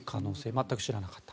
全く知らなかった。